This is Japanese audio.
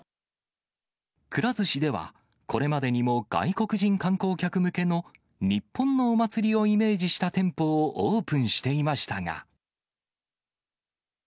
くら寿司では、これまでにも外国人観光客向けの日本のお祭りをイメージした店舗をオープンしていましたが。